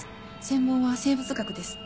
専門は生物学です。